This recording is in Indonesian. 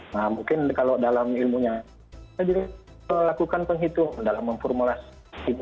nah mungkin kalau dalam ilmunya kita lakukan penghitung dalam memformulasikan